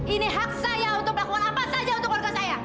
ini hak saya untuk melakukan apa saja untuk keluarga saya